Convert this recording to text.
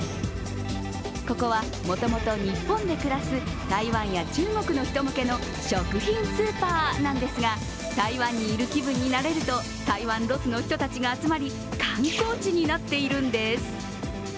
ここはもともと日本で暮らす台湾や中国の人向けの食品スーパーなんですが、台湾にいる気分になれると台湾ロスの人たちが集まり観光地になっているんです。